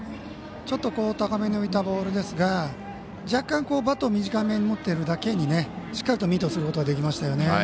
ちょっと高めに浮いたボールですが若干、バットを短めに持っているだけにしっかりとミートすることができましたよね。